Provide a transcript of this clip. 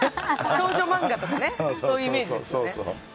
少女漫画とかねそういうイメージですよね。